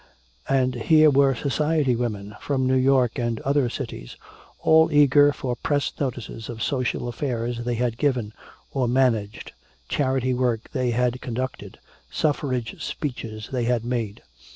And here were society women, from New York and other cities, all eager for press notices of social affairs they had given or managed, charity work they had conducted, suffrage speeches they had made.